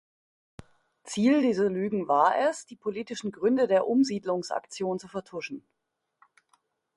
Ziel dieser Lügen war es, die politischen Gründe der Umsiedlungsaktion zu vertuschen.